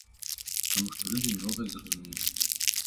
Таму што людзі многае зразумелі.